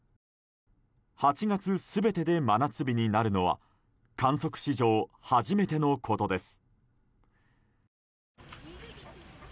８月全てで真夏日になるのは観測史上初めてのことです。